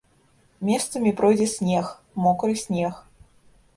Месцамі пройдзе снег, мокры снег.